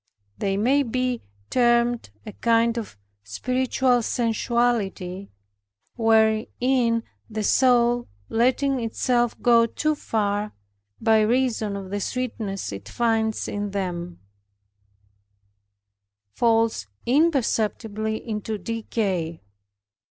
They may be termed a kind of spiritual sensuality, wherein the soul letting itself go too far, by reason of the sweetness it finds in them, falls imperceptibly into decay.